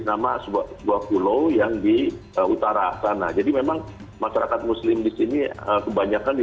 nama sobat dua pulau yang di tanah karena jadi memang masyarakat muslim di sini kebanyakan di